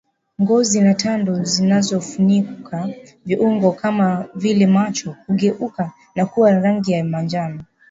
Ngozi na tando zinazofunika viungo kama vile macho hugeuka na kuwa rangi ya manjano